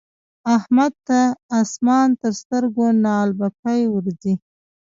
احمد ته اسمان تر سترګو نعلبکی ورځي.